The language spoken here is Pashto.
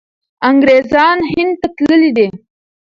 انګریزان هند ته تللي دي.